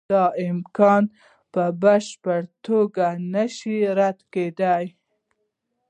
دا امکان په بشپړه توګه نشي رد کېدای.